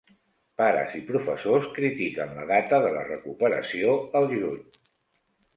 Pares i professors critiquen la data de la recuperació al juny.